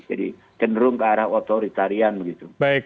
jadi kenderung ke arah authoritarian gitu